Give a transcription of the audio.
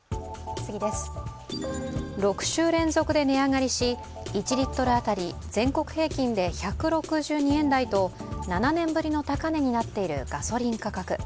６週連続で値上がりし、１リットル当たり全国平均で１６２円台と７年ぶりの高値になっているガソリン価格。